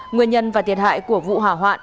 nguyên nhân và thiệt hại của vụ hỏa hoạn